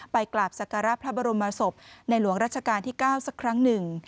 กราบสการะพระบรมศพในหลวงราชการที่๙สักครั้งหนึ่ง